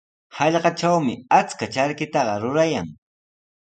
Hallqatrawmi achka charkitaqa rurayan.